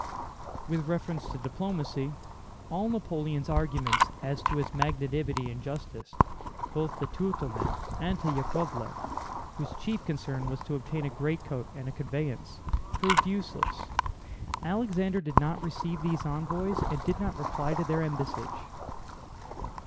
With reference to diplomacy, all Napoleon's arguments as to his magnanimity and justice, both to Tutólmin and to Yákovlev (whose chief concern was to obtain a greatcoat and a conveyance), proved useless; Alexander did not receive these envoys and did not reply to their embassage.